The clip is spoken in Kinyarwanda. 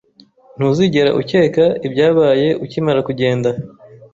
Ntuzigera ukeka ibyabaye ukimara kugenda